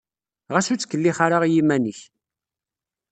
Ɣas ur ttkellix ara i iman-ik.